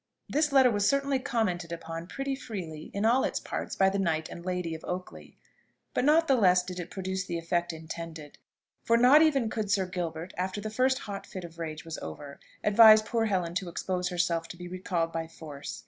This letter was certainly commented upon pretty freely in all its parts by the knight and lady of Oakley; but not the less did it produce the effect intended: for not even could Sir Gilbert, after the first hot fit of rage was over, advise poor Helen to expose herself to be recalled by force.